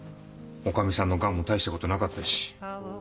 女将さんのガンも大したことなかったし。